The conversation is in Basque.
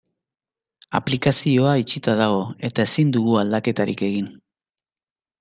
Aplikazioa itxita dago eta ezin dugu aldaketarik egin.